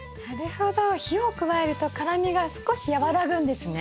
火を加えると辛みが少し和らぐんですね。